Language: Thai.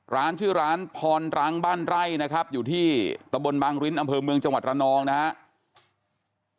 ร้านชื่อร้านพรรังบ้านไร่นะครับอยู่ที่ตะบนบางริ้นอำเภอเมืองจังหวัดระนองนะครับ